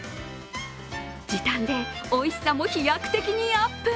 時短でおいしさも飛躍的にアップ。